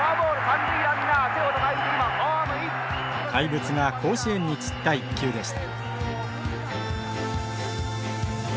怪物が甲子園に散った１球でした。